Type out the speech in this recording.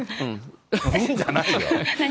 うんじゃないよ。